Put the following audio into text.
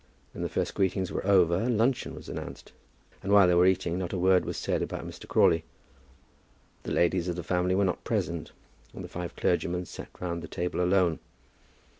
When the first greetings were over luncheon was announced, and while they were eating not a word was said about Mr. Crawley. The ladies of the family were not present, and the five clergymen sat round the table alone.